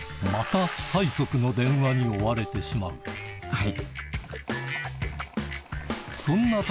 はい。